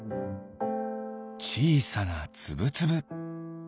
ちいさなつぶつぶ。